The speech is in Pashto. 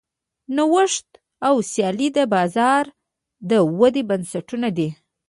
نوښت او سیالي د بازار د ودې بنسټونه دي.